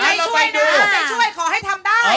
ทนไฟช่วยขอให้ทำได้